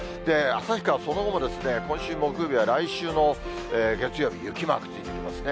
旭川、その後も今週木曜日や来週の月曜日、雪マークついてきますね。